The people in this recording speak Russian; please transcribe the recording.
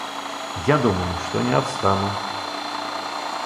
Я думаю, что не отстану....